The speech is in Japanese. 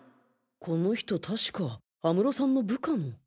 この人確か安室さんの部下の